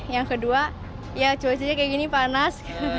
yang kedua ya cuacanya kayak gini panas